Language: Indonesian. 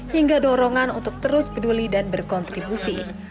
hingga dorongan untuk terus peduli dan berkontribusi